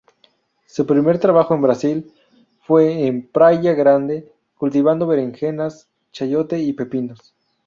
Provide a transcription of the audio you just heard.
Su primer trabajo en Brasil, fue en Praia Grande, cultivando berenjenas, chayote y pepinos.